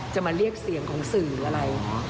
จะมาเรียกเสียงของสื่อหรืออะไร